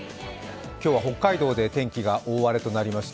今日は北海道で天気が大荒れとなりました。